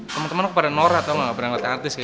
keit bingungnya luchs